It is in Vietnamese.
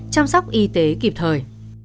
chăm sóc y tế kịp thời